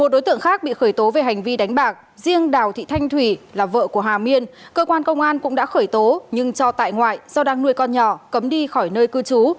một đối tượng khác bị khởi tố về hành vi đánh bạc riêng đào thị thanh thủy là vợ của hà miên cơ quan công an cũng đã khởi tố nhưng cho tại ngoại do đang nuôi con nhỏ cấm đi khỏi nơi cư trú